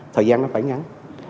thời gian nó phải ngắn